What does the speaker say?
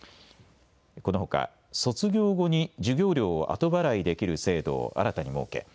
このほか卒業後に授業料を後払いできる制度を新たに設け